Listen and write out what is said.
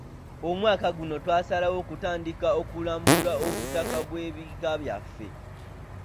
Omwaka guno twasalawo okutandika okulambula obutaka bw'ebika byaffe.